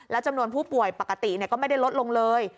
จำนวนผู้ป่วยปกติก็ไม่ได้ลดลงเลย